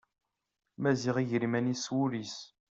Maziɣ iger iman-is s wul-is.